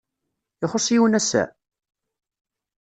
Ixuṣṣ yiwen ass-a?